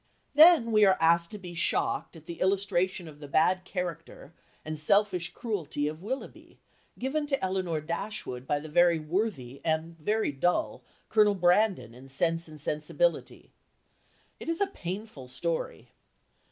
Then we are asked to be shocked at the illustration of the bad character and selfish cruelty of Willoughby given to Elinor Dashwood by the very worthy and very dull Colonel Brandon in Sense and Sensibility. It is a painful story.